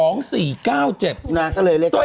นะจะเลยเลข๙๗มา